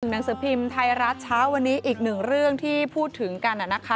หนังสือพิมพ์ไทยรัฐเช้าวันนี้อีกหนึ่งเรื่องที่พูดถึงกัน